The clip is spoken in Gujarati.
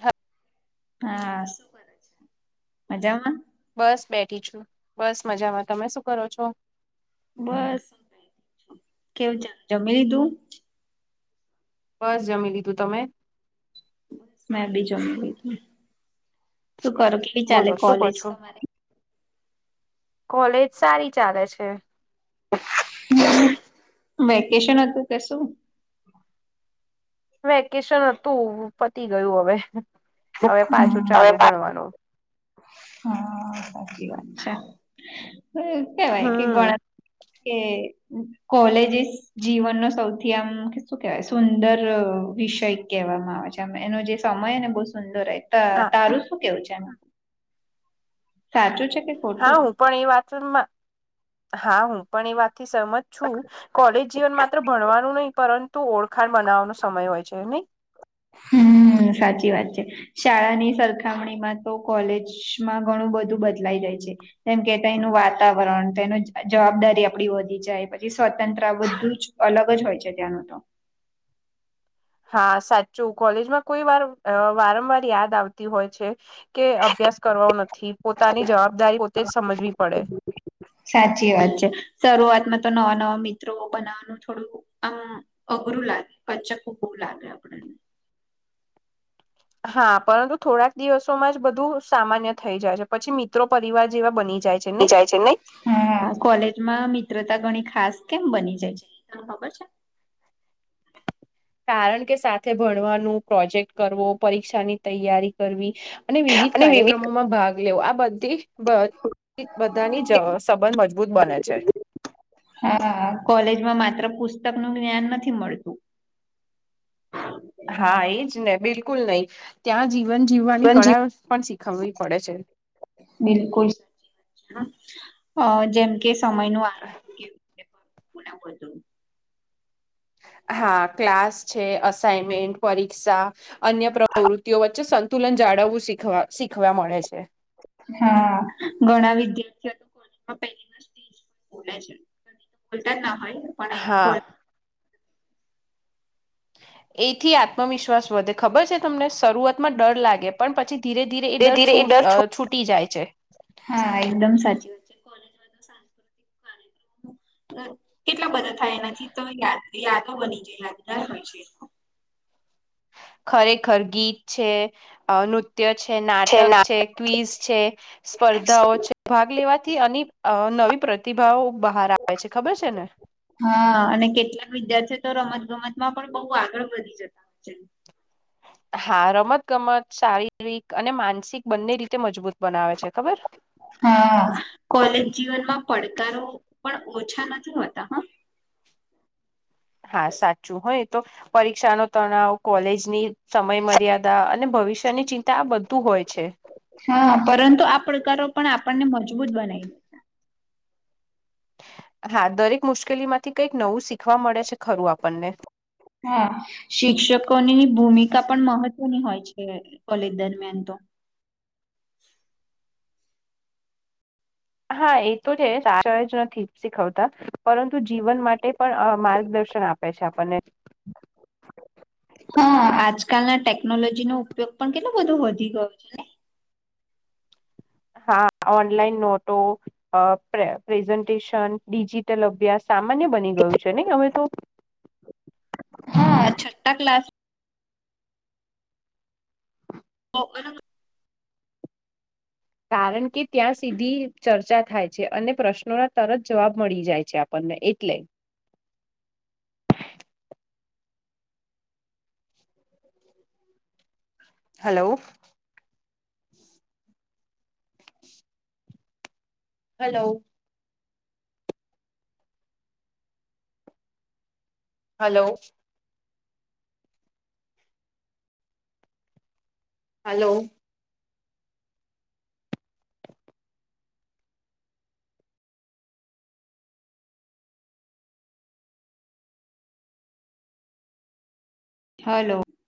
હ હા, મજામાં બસ બેઠી છું, બસ મજામાં, તમે શું કરો છો? બસ કેવું ચાલ, જમી લીધું બસ જમી લીધું તમે બસ મેબી જમી લીધું, શું કરો કેવી ચાલે બોલો શું કો કોલેજ છો તમારી કોલેજ સારી ચાલે છે. વેકેશન હતું કે શું? વેકેશન હતું, પતી ગયું હવે, હવે પાછું ચાલુ ભણવાનું. હઅ સાચી વાત છે. [unintelligible] કેવાય કે હમ ઘણાં કે કોલેજીસ જીવનનો સૌથી આમ શું કેવાય સુંદર વિષય કેવામાં આવે છે એનો જે સમય એને બહુ સુંદર ત હા તારું શું કેવું છે એમાં સાચું છે કે હા હું પણ એ વાતનમાં હા હું પણ એ વાતથી સહમત છું કોલેજ જીવન માત્ર ભણવાનું નહી પરં તું ઓળખાણ બનાવવાનો સમય હોય છે નઈ હમ્મ સાચી વાત છે. શાળાની સરખામણીમાં તો કોલેજમાં ઘણું બધું બદલાઈ જાય છે. જેમ કે તઇ નું વાતાવરણ તેનું જ જવાબદારી આપડી વધી જાય પછી સ્વતંત્ર બધું જ અલગ જ હોય છે ત્યાં નું તો. હા સાચું કોલેજમાં કોઈ વાર વારંવાર યાદ આવતી હોય છે. કે અભ્યાસ કરવો નથી પોતાની જવાબદારી પોતે જ સમજવી પડે. સાચી વાત છે, શરૂઆતમાં તો નવા નવા મિત્રો બનાવાનું થોડું આમ અઘરું લાગે કચ્ચ ખૂબું લાગે આપડે હા પરંતુ થોડાક દિવસોમાં જ બધું સામાન્ય થઈ જાય છે પછી મિત્રો પરિવાર જેવા બની જાય છે ઈ નહી. જાય છે નઈ હ કોલેજમાં મિત્રતા ઘણી ખાસ કેમ બની જાય છે તન ખબર છે કારણ કે સાથે ભણવાનું પ્રોજેક્ટ કરવો પરીક્ષાની તૈયારી કરવી અને વિવિધ કાર્યક્રમોમાં ભાગ લેવો આ બધી બ ધી બધાની જ સંબંધ મજબૂત બને છે. હ કોલેજમાં માત્ર પુસ્તક નું જ્ઞાન નથી મળતું. હા એ જ ને બિલકુલ નઈ ત્યાં જીવન જીવવાની કળા પણ શીખવવી પડે છે. બિલકુલ અ જેમ કે સમય નું આ હા ક્લાસ છે, અસાાઈમેન્ટ પરીક્ષા અન્ય પ્રવૃતિઓ વચ્ચે સં તુલન જાળવું શીખવા શીખવા મળે છે. હા ઘણા વિદ્યાર્થી ઓ કોલેજમાં પે બોલાય છે બોલતા જ ના હોય પણ હા એપણ એથી આત્મવિશ્વાસ વધે ખબર છે તમને શરૂઆતમાં ડર લાગે પણ પછી ધીરે ધીરે એ ડર છૂટ અ છૂટી જાય છે. હા એકદમ સાચી વા [inaudible] કેટલા બધા થાય એનાથી તો યાદ યાદો બની જાય યાદગાર હોય છે. ખરેખર ગીત છે અ નૃત્ ત્ય છે, નાટક છે, ક્વીિઝ છે. સ્પર્ધાઓ છે ભાગ લેવાથી અને અ નવી પ્રતિભાઓ બહાર આવે છે ખબર છે ને હા અને કેટલાક વિદ્યાર્થીઓ તો રમત ગમતમાં પણ બહુ આગળ વધી જતા હોય છે. હા રમત-ગમત શારીરિક અને માનસિક બંને રીતે મજબૂત બનાવે છે ખબર. હા કોલેજ જીવનમાં પડકારો પણ ઓછા નથી હોતા હા. હા સાચું હો એતો. પરીક્ષાનો તણાવ કોલેજની સમય મર્યાદા અને ભવિષ્યની ચિંતા આ બધું હોય છે. હા પરંતુ આ પડકારો પણ આપણને મજબૂત બનાય. હા દરેક મુશ્કેલી માંથી કઈક નવું શીખવા મળે છે ખરું આપણને. હા શિક્ષકોનીની ભૂમિકા પણ મહત્વની હોય છે કોલેજ દરમિયાન તો. હા એ તો છેચ જ નથી શીખવતા પરંતુ જીવન માટે પણ અ માર્ગદર્શન આપે. આપે છે આપણને. હા આજકાલના ટેકનોલોજી નો ઉપયોગ પણ કેટલું બધું વધી ગયો છે. હા ઓનલાઈન નોટો, અ પ્રે પ્રેઝન્ટેશન, ડિજિટલ અભ્યાસ. સામાન્ય બની ગયું છે નહી હવે તો. હા છઠ્ઠા ક્લાસ ઓ બરાબર. કારણ કે ત્યાં સીધી ચર્ચા થાય છે અને પ્રશ્નોના તરત જવાબ મળી જાય છે આપ આપણને એટલે. Hello. Hello. Hello. Hello. Hello.